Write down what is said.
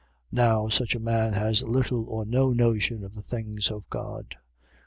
Now such a man has little or no notion of the things of God.